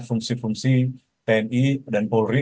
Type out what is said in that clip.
fungsi fungsi tni dan polri